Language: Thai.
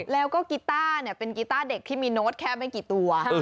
แล้วก็กีต้าเป็นกีต้าเด็กที่มีโน้ตแค่ไม่กี่ตัว